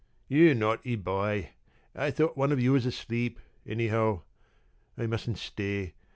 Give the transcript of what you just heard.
p> "You naughty boy! I thought one of you was asleep, anyhow. I mustn't stay.